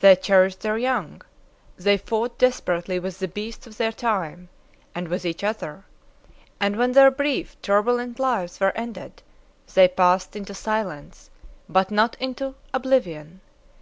They cherished their young; they fought desperately with the beasts of their time, and with each other, and, when their brief, turbulent lives were ended, they passed into silence, but not into oblivion.